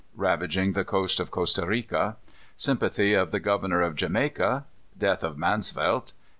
Ravaging the Coast of Costa Rica. Sympathy of the Governor of Jamaica. Death of Mansvelt.